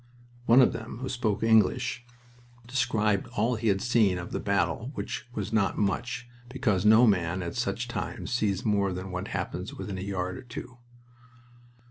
One of them, who spoke English, described all he had seen of the battle, which was not much, because no man at such a time sees more than what happens within a yard or two.